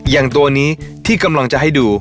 อย่างตัวนี้ที่กำลังจะให้ดู